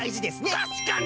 たしかに！